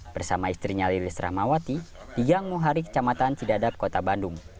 bersama istrinya lilis rahmawati diganggu hari kecamatan cidadak kota bandung